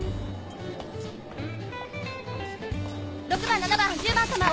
６番７番１０番さま